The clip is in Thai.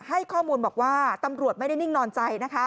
ให้ข้อมูลบอกว่าตำรวจไม่ได้นิ่งนอนใจนะคะ